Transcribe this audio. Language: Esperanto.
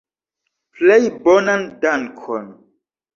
Plej bonan dankon.